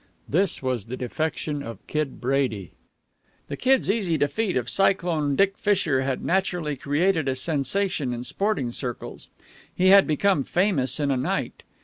This was the defection of Kid Brady. The Kid's easy defeat of Cyclone Dick Fisher had naturally created a sensation in sporting circles. He had become famous in a night.